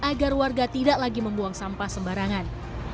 agar warga tidak lagi membuang sampah sembarangan